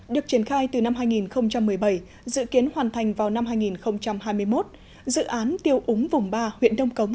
được triển khai từ năm hai nghìn một mươi bảy dự kiến hoàn thành vào năm hai nghìn hai mươi một dự án tiêu úng vùng ba huyện đông cống